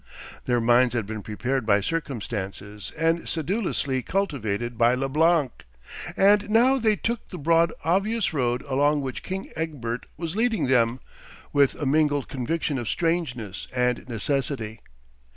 Their minds had been prepared by circumstances and sedulously cultivated by Leblanc; and now they took the broad obvious road along which King Egbert was leading them, with a mingled conviction of strangeness and necessity.